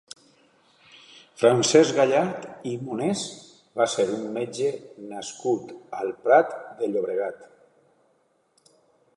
Francesc Gallart i Monés va ser un metge nascut al Prat de Llobregat.